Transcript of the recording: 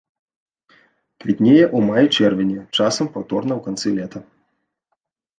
Квітнее ў маі-чэрвені, часам паўторна ў канцы лета.